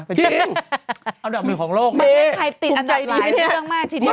เป็นจริงอันดับหนึ่งของโลกตุปใจดีมั้ยเนี่ยเป็นเรื่องมากทีเดียว